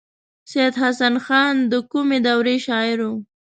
سید حسن خان د کومې دورې شاعر و.